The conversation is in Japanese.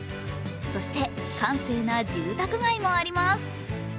そして閑静な住宅街もあります。